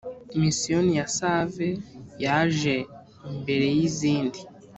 misiyoni ya save yajee mbere yizindi.